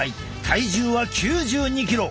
体重は９２キロ。